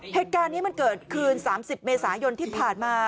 เหตุการณ์นี้มันเกิดขึ้น๓๐เมษายนที่ผ่านมา